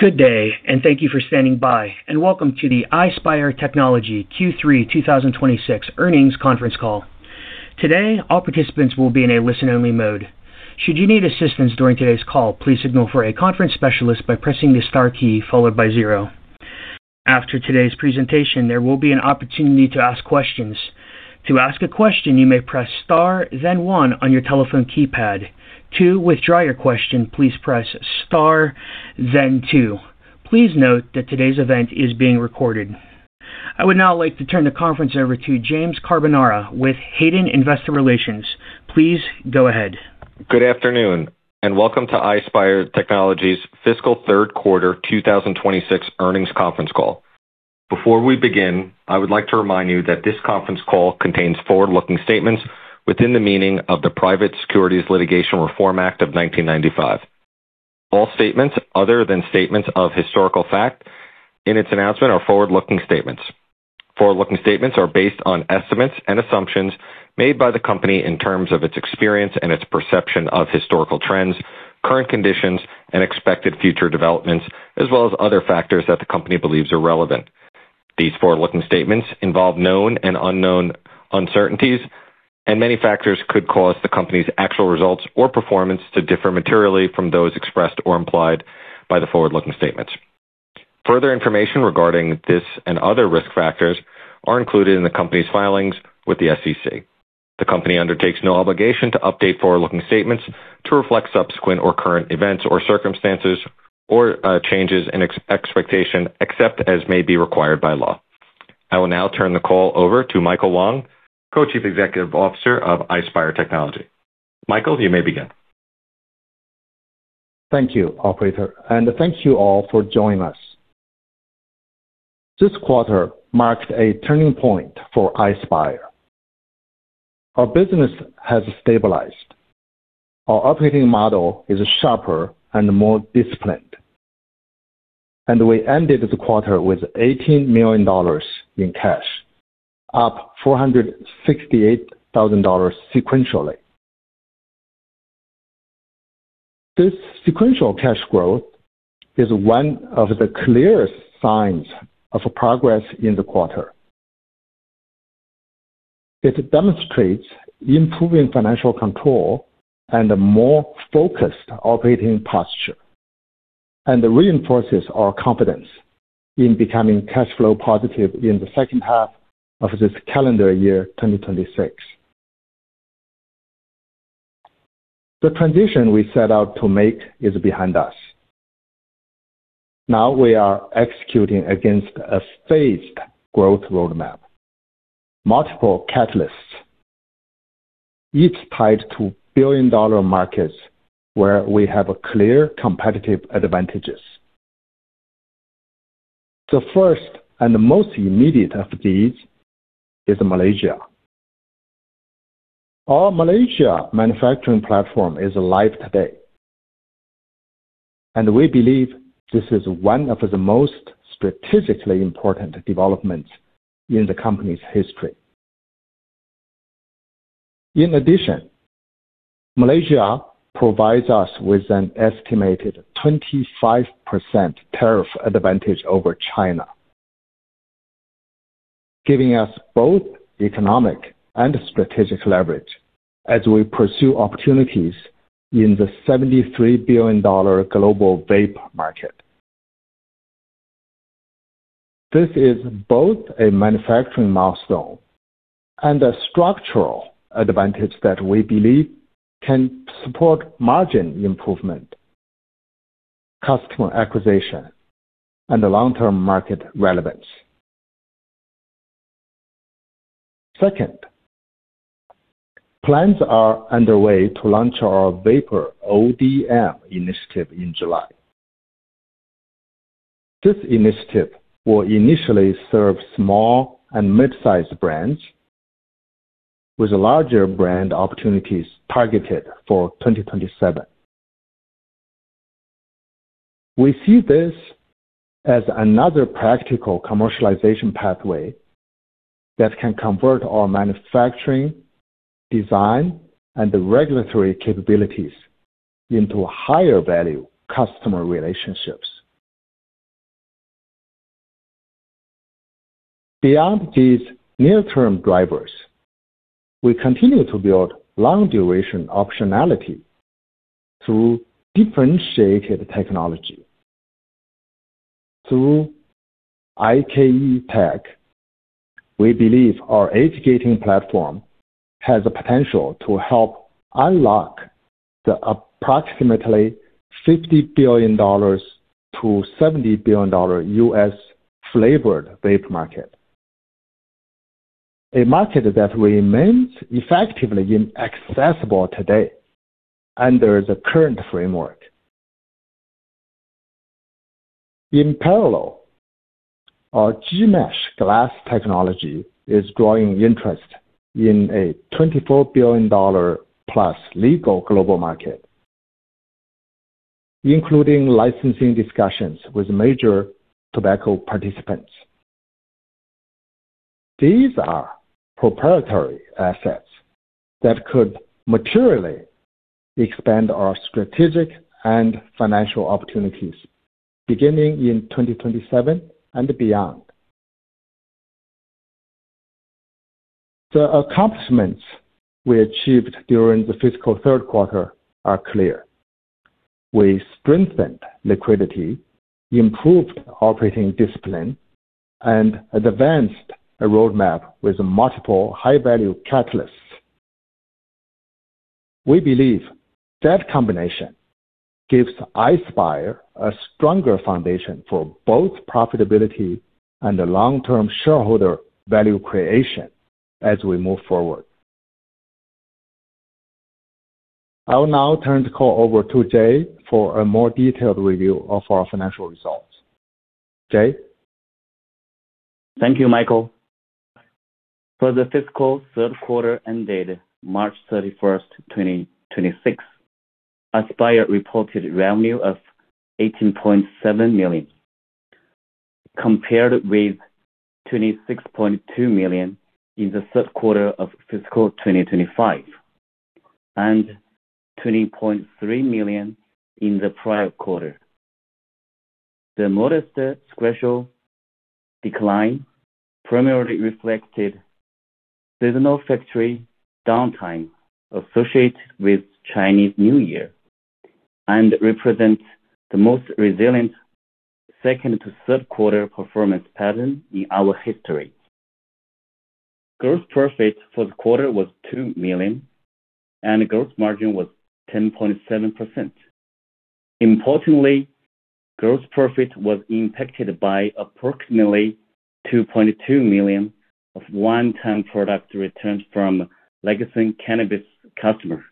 Good day, thank you for standing by, and welcome to the Ispire Technology Q3 2026 earnings conference call. Today, all participants will be in a listen-only mode. Should you need assistance during today's call, please signal for a conference specialist by pressing the star key followed by zero. After today's presentation, there will be an opportunity to ask questions. To ask a question, you may press star then one on your telephone keypad. To withdraw your question, please press star then two. Please note that today's event is being recorded. I would now like to turn the conference over to James Carbonara with Hayden Investor Relations. Please go ahead. Good afternoon, welcome to Ispire Technology's fiscal third quarter 2026 earnings conference call. Before we begin, I would like to remind you that this conference call contains forward-looking statements within the meaning of the Private Securities Litigation Reform Act of 1995. All statements other than statements of historical fact in its announcement are forward-looking statements. Forward-looking statements are based on estimates and assumptions made by the company in terms of its experience and its perception of historical trends, current conditions, and expected future developments, as well as other factors that the company believes are relevant. These forward-looking statements involve known and unknown uncertainties, and many factors could cause the company's actual results or performance to differ materially from those expressed or implied by the forward-looking statements. Further information regarding this and other risk factors are included in the company's filings with the SEC. The company undertakes no obligation to update forward-looking statements to reflect subsequent or current events or circumstances or changes in expectation, except as may be required by law. I will now turn the call over to Michael Wang, Co-Chief Executive Officer of Ispire Technology. Michael, you may begin. Thank you, operator, and thank you all for joining us. This quarter marks a turning point for Ispire. Our business has stabilized. Our operating model is sharper and more disciplined. We ended the quarter with $18 million in cash, up $468,000 sequentially. This sequential cash growth is one of the clearest signs of progress in the quarter. It demonstrates improving financial control and a more focused operating posture, and reinforces our confidence in becoming cash flow positive in the second half of this calendar year 2026. The transition we set out to make is behind us. Now we are executing against a phased growth roadmap. Multiple catalysts, each tied to billion-dollar markets where we have clear competitive advantages. The first and most immediate of these is Malaysia. Our Malaysia manufacturing platform is live today, and we believe this is one of the most strategically important developments in the company's history. In addition, Malaysia provides us with an estimated 25% tariff advantage over China, giving us both economic and strategic leverage as we pursue opportunities in the $73 billion global vape market. This is both a manufacturing milestone and a structural advantage that we believe can support margin improvement, customer acquisition, and long-term market relevance. Second, plans are underway to launch our vapor ODM initiative in July. This initiative will initially serve small and mid-sized brands with larger brand opportunities targeted for 2027. We see this as another practical commercialization pathway that can convert our manufacturing, design, and regulatory capabilities into higher value customer relationships. Beyond these near-term drivers, we continue to build long-duration optionality through differentiated technology. Through IKE Tech, we believe our age-gating platform has the potential to help unlock the approximately $50 billion-$70 billion U.S. flavored vape market. A market that remains effectively inaccessible today under the current framework. In parallel, our G-Mesh glass technology is growing interest in a $24 billion-plus legal global market, including licensing discussions with major tobacco participants. These are proprietary assets that could materially expand our strategic and financial opportunities beginning in 2027 and beyond. The accomplishments we achieved during the fiscal third quarter are clear. We strengthened liquidity, improved operating discipline, and advanced a roadmap with multiple high-value catalysts. We believe that combination gives Ispire a stronger foundation for both profitability and long-term shareholder value creation as we move forward. I will now turn the call over to Jay for a more detailed review of our financial results. Jay? Thank you, Michael. For the fiscal third quarter ended March 31, 2026, Ispire reported revenue of $18.7 million, compared with $26.2 million in the third quarter of fiscal 2025, and $20.3 million in the prior quarter. The modest sequential decline primarily reflected seasonal factory downtime associated with Chinese New Year and represents the most resilient second to third quarter performance pattern in our history. Gross profit for the quarter was $2 million, and gross margin was 10.7%. Importantly, gross profit was impacted by approximately $2.2 million of one-time product returns from legacy cannabis customer,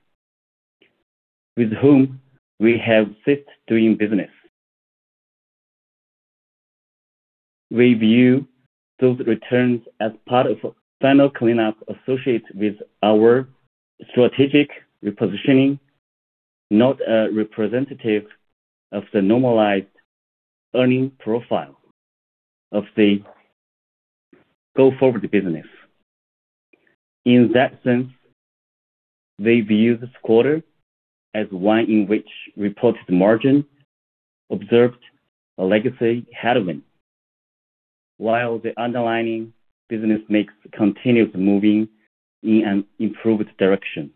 with whom we have ceased doing business. We view those returns as part of final cleanup associated with our strategic repositioning, not a representative of the normalized earning profile of the go-forward business. In that sense, we view this quarter as one in which reported margin observed a legacy headwind, while the underlying business mix continues moving in an improved direction.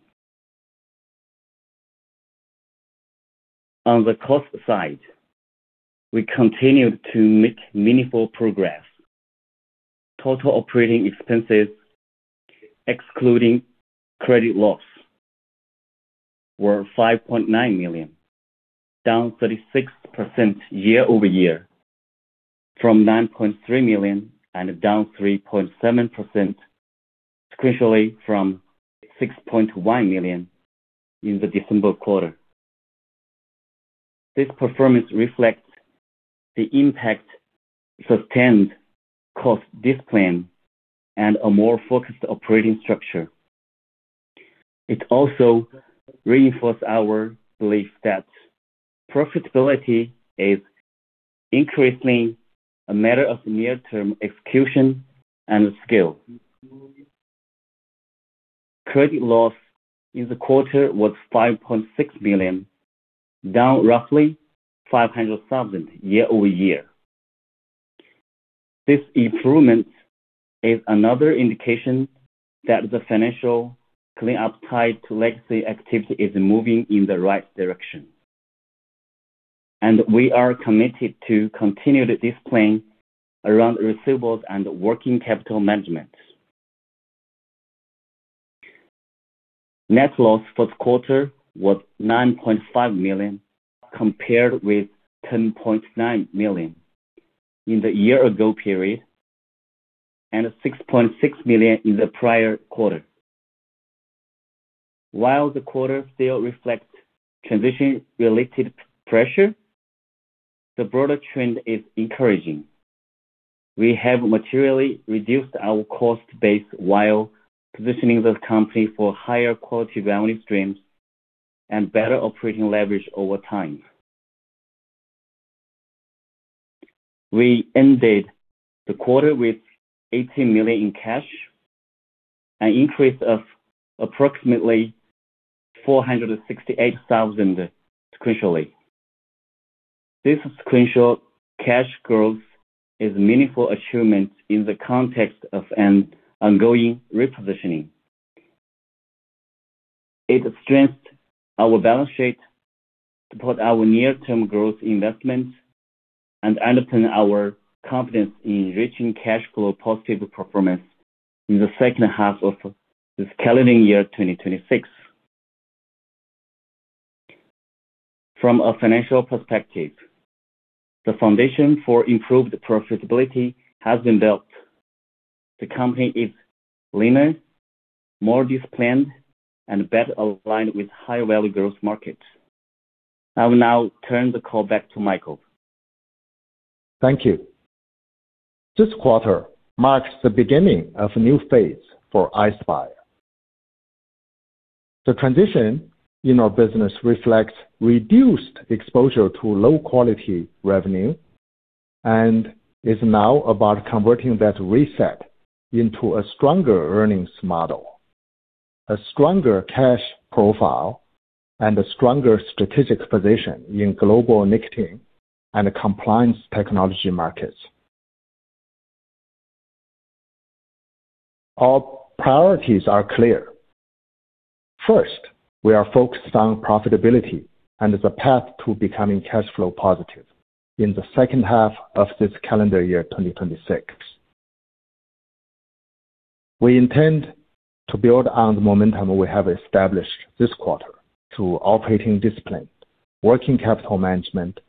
On the cost side, we continued to make meaningful progress. Total operating expenses, excluding credit loss, were $5.9 million, down 36% year-over-year from $9.3 million and down 3.7% sequentially from $6.1 million in the December quarter. This performance reflects the impact sustained cost discipline and a more focused operating structure. It also reinforce our belief that profitability is increasingly a matter of near-term execution and skill. Credit loss in the quarter was $5.6 million, down roughly $500,000 year-over-year. This improvement is another indication that the financial cleanup tied to legacy activity is moving in the right direction, and we are committed to continued discipline around receivables and working capital management. Net loss for the quarter was $9.5 million, compared with $10.9 million in the year-ago period and $6.6 million in the prior quarter. While the quarter still reflects transition-related pressure, the broader trend is encouraging. We have materially reduced our cost base while positioning the company for higher quality value streams and better operating leverage over time. We ended the quarter with $80 million in cash, an increase of approximately $468,000 sequentially. This sequential cash growth is a meaningful achievement in the context of an ongoing repositioning. It strengths our balance sheet, support our near-term growth investments, and underpin our confidence in reaching cash flow positive performance in the second half of this calendar year 2026. From a financial perspective, the foundation for improved profitability has been built. The company is leaner, more disciplined, and better aligned with high-value growth markets. I will now turn the call back to Michael. Thank you. This quarter marks the beginning of a new phase for Ispire. The transition in our business reflects reduced exposure to low-quality revenue and is now about converting that reset into a stronger earnings model, a stronger cash profile, and a stronger strategic position in global nicotine and compliance technology markets. Our priorities are clear. First, we are focused on profitability and the path to becoming cash flow positive in the second half of this calendar year 2026. We intend to build on the momentum we have established this quarter through operating discipline, working capital management,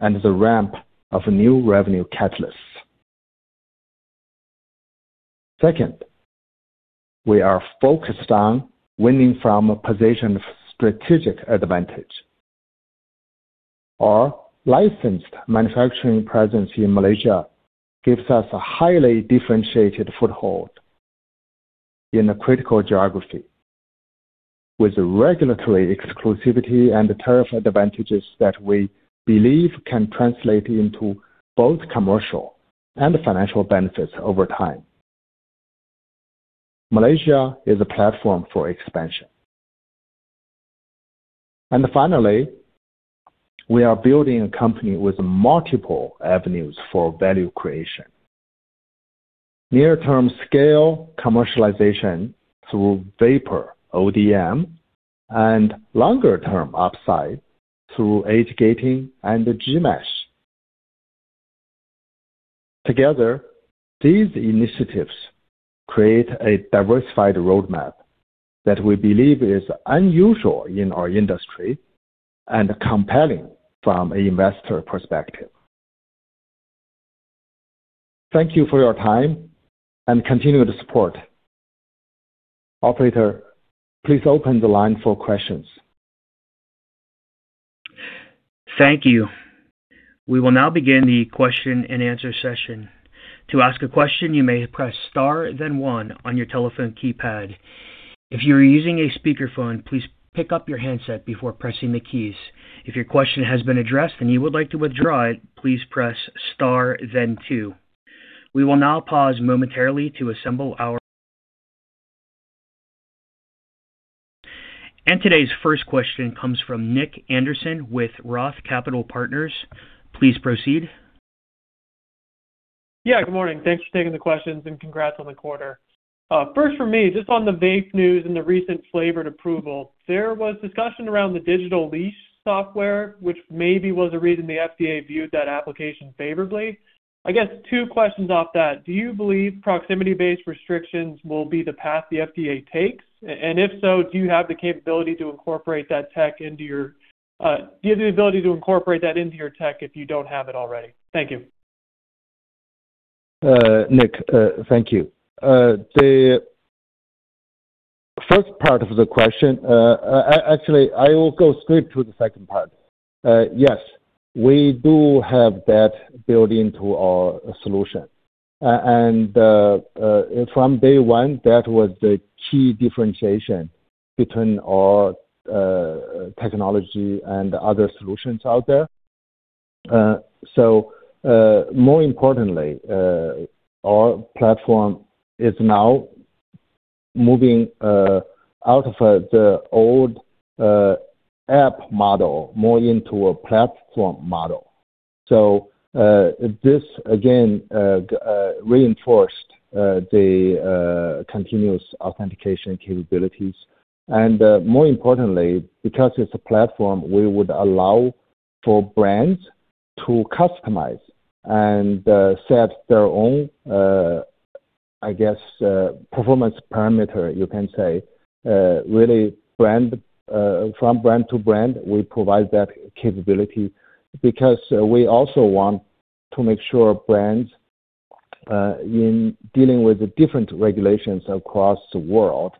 and the ramp of new revenue catalysts. Second, we are focused on winning from a position of strategic advantage. Our licensed manufacturing presence in Malaysia gives us a highly differentiated foothold in a critical geography with regulatory exclusivity and tariff advantages that we believe can translate into both commercial and financial benefits over time. Malaysia is a platform for expansion. Finally, we are building a company with multiple avenues for value creation. Near-term scale commercialization through vapor ODM and longer-term upside through age-gating and G-Mesh. Together, these initiatives create a diversified roadmap that we believe is unusual in our industry and compelling from an investor perspective. Thank you for your time and continued support. Operator, please open the line for questions. Thank you. We will now begin the question-and-answer session. To ask a question, you may press star then one on your telephone keypad. If you are using a speakerphone, please pick up your handset before pressing the keys. If your question has been addressed and you would like to withdraw it, please press star then two. We will now pause momentarily to assemble our. Today's first question comes from Nick Anderson with ROTH Capital Partners. Please proceed. Yeah, good morning. Thanks for taking the questions, and congrats on the quarter. First for me, just on the vape news and the recent flavored approval, there was discussion around the digital leash software, which maybe was a reason the FDA viewed that application favorably. I guess two questions off that. Do you believe proximity-based restrictions will be the path the FDA takes? If so, do you have the ability to incorporate that into your tech if you don't have it already? Thank you. Nick, thank you. The first part of the question, actually, I will go straight to the second part. Yes, we do have that built into our solution. From day one, that was the key differentiation between our technology and other solutions out there. More importantly, our platform is now moving out of the old app model more into a platform model. This again reinforced the continuous authentication capabilities. More importantly, because it's a platform, we would allow for brands to customize and set their own, I guess, performance parameter, you can say. Really brand, from brand to brand, we provide that capability because we also want to make sure brands, in dealing with the different regulations across the world,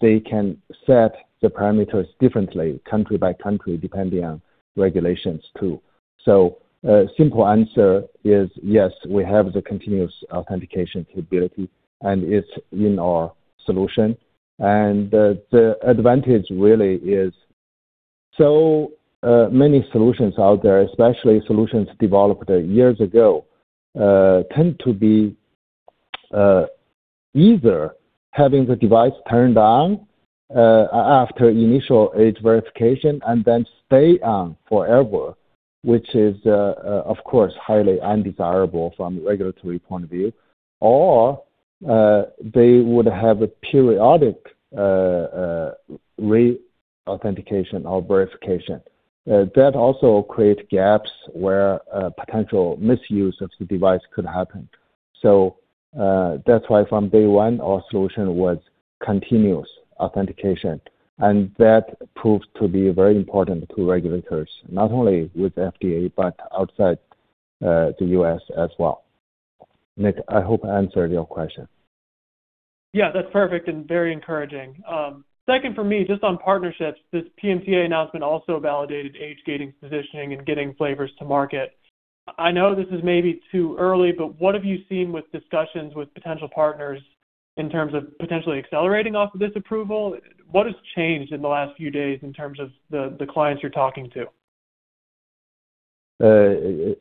they can set the parameters differently country by country, depending on regulations too. A simple answer is yes, we have the continuous authentication capability, and it's in our solution. The advantage really is so, many solutions out there, especially solutions developed years ago, tend to be, either having the device turned on, after initial age verification and then stay on forever, which is, of course, highly undesirable from a regulatory point of view. Or, they would have a periodic, re-authentication or verification. That also create gaps where, potential misuse of the device could happen. That's why from day one, our solution was continuous authentication, and that proves to be very important to regulators, not only with FDA but outside the U.S. as well. Nick, I hope I answered your question. Yeah. That's perfect and very encouraging. Second for me, just on partnerships, this PMTA announcement also validated age gating positioning and getting flavors to market. I know this is maybe too early, but what have you seen with discussions with potential partners in terms of potentially accelerating off of this approval? What has changed in the last few days in terms of the clients you're talking to?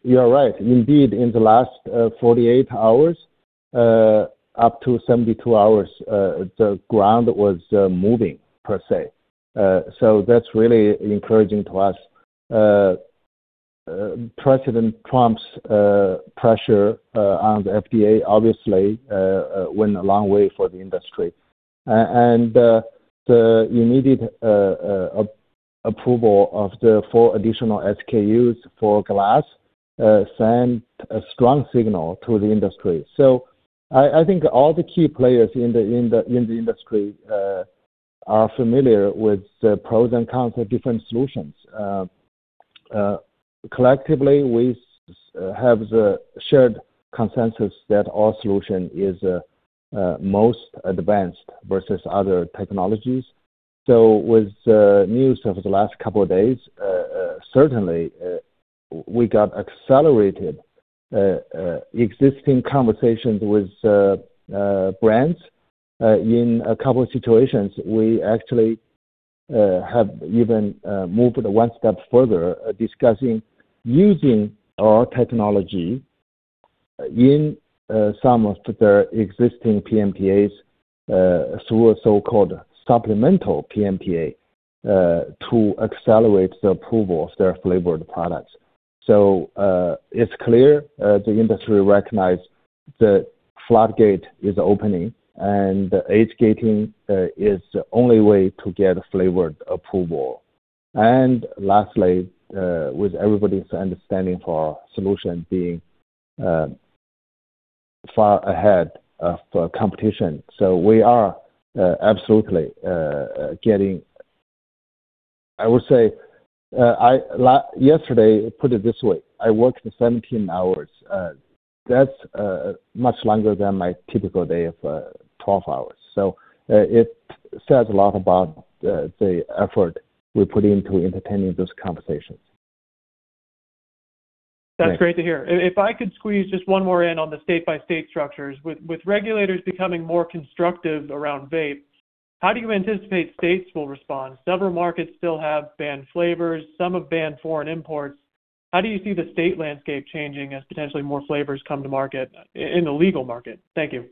You are right. Indeed, in the last 48 hours, up to 72 hours, the ground was moving per se. That's really encouraging to us. Donald Trump's pressure on the FDA obviously went a long way for the industry. The immediate approval of the four additional SKUs for Glass sent a strong signal to the industry. I think all the key players in the industry are familiar with the pros and cons of different solutions. Collectively, we have the shared consensus that our solution is most advanced versus other technologies. With the news over the last couple of days, certainly, we got accelerated existing conversations with brands. In a couple of situations, we actually have even moved one step further, discussing using our technology in some of their existing PMTAs, through a so-called supplemental PMTA, to accelerate the approval of their flavored products. It's clear, the industry recognize the floodgate is opening, and the age-gating is the only way to get a flavored approval. Lastly, with everybody's understanding for our solution being far ahead of competition. We are absolutely getting I would say, yesterday, put it this way, I worked 17 hours. That's much longer than my typical day of 12 hours. It says a lot about the effort we put into entertaining those conversations. That's great to hear. If I could squeeze just one more in on the state-by-state structures. With regulators becoming more constructive around vape, how do you anticipate states will respond? Several markets still have banned flavors, some have banned foreign imports. How do you see the state landscape changing as potentially more flavors come to market in the legal market? Thank you.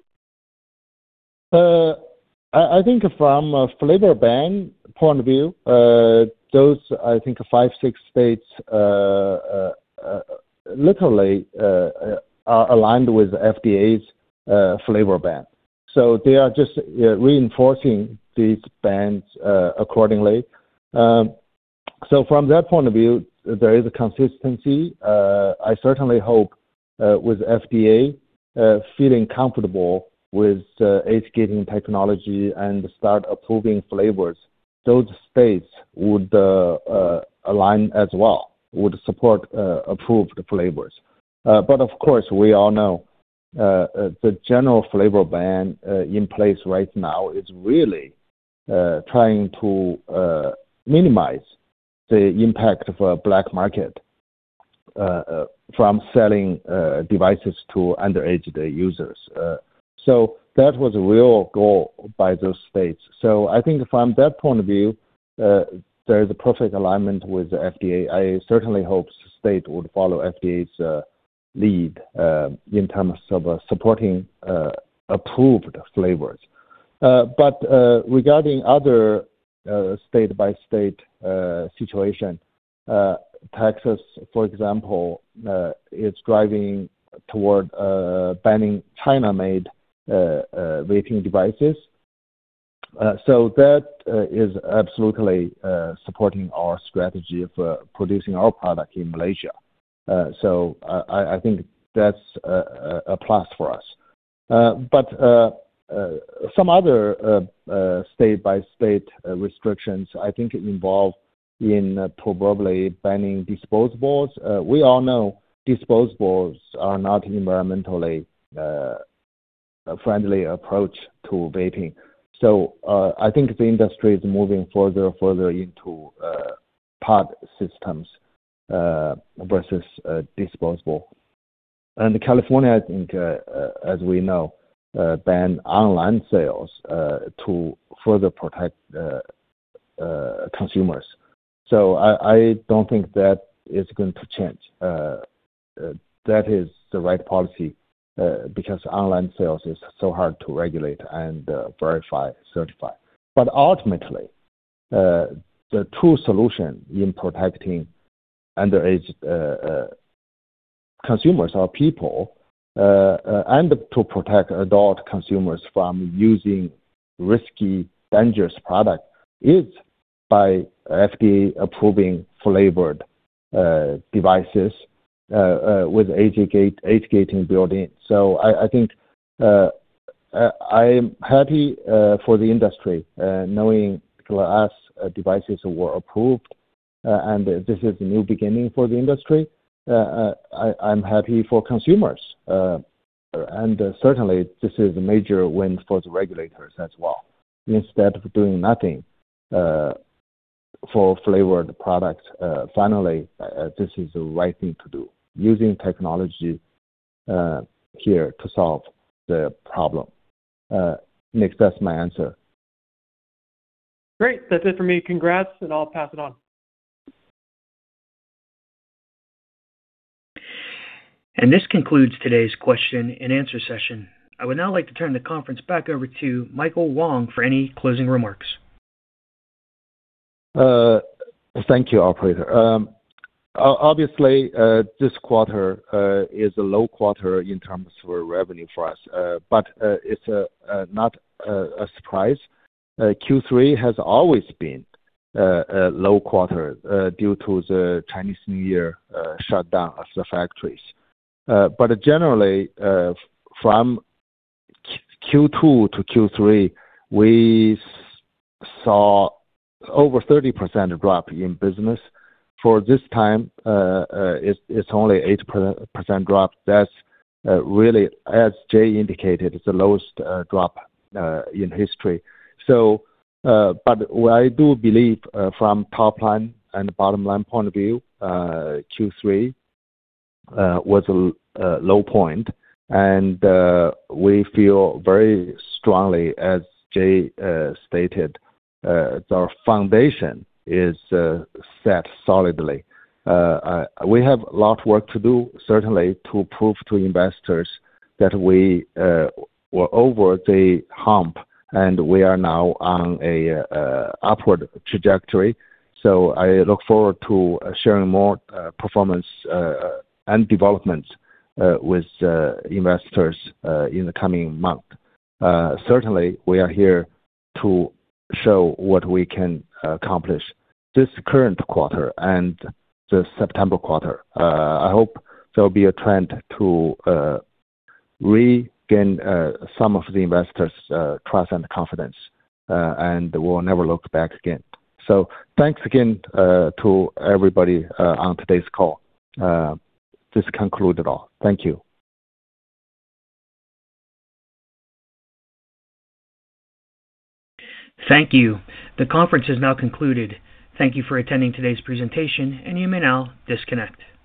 I think from a flavor ban point of view, those I think five, six states literally are aligned with FDA's flavor ban. They are just, yeah, reinforcing these bans accordingly. From that point of view, there is a consistency. I certainly hope with FDA feeling comfortable with age-gating technology and start approving flavors, those states would align as well, would support approved flavors. Of course, we all know the general flavor ban in place right now is really trying to minimize the impact of a black market from selling devices to underage users. That was a real goal by those states. I think from that point of view, there is a perfect alignment with the FDA. I certainly hope state would follow FDA's lead in terms of supporting approved flavors. But regarding other state-by-state situation, Texas, for example, is driving toward banning China-made vaping devices. So that is absolutely supporting our strategy of producing our product in Malaysia. So I think that's a plus for us. But some other state-by-state restrictions I think involve in probably banning disposables. We all know disposables are not environmentally friendly approach to vaping. I think the industry is moving further into pod systems versus disposable. California, I think, as we know, banned online sales to further protect consumers. I don't think that is going to change. That is the right policy because online sales is so hard to regulate and verify, certify. Ultimately, the true solution in protecting underage consumers or people and to protect adult consumers from using risky, dangerous product is by FDA approving flavored devices with age gating built in. I think I'm happy for the industry, knowing Glass devices were approved, and this is a new beginning for the industry. I'm happy for consumers. Certainly, this is a major win for the regulators as well. Instead of doing nothing, for flavored products, finally, this is the right thing to do. Using technology here to solve the problem. Nick, that's my answer. Great. That's it for me. Congrats, and I'll pass it on. This concludes today's question and answer session. I would now like to turn the conference back over to Michael Wang for any closing remarks. Thank you, operator. Obviously, this quarter is a low quarter in terms of revenue for us. It's not a surprise. Q3 has always been a low quarter due to the Chinese New Year shutdown of the factories. Generally, from Q2 to Q3, we saw over 30% drop in business. For this time, it's only 8% drop. That's really, as Jay indicated, it's the lowest drop in history. What I do believe, from top line and bottom line point of view, Q3 was a low point. We feel very strongly, as Jay stated, our foundation is set solidly. We have a lot of work to do, certainly, to prove to investors that we're over the hump, and we are now on a upward trajectory. I look forward to sharing more performance and developments with investors in the coming month. Certainly, we are here to show what we can accomplish this current quarter and the September quarter. I hope there'll be a trend to regain some of the investors' trust and confidence, and we'll never look back again. Thanks again to everybody on today's call. This concludes it all. Thank you. Thank you. The conference is now concluded. Thank you for attending today's presentation. You may now disconnect.